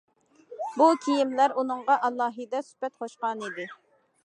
بۇ كىيىملەر ئۇنىڭغا ئالاھىدە سۈپەت قوشقانىدى.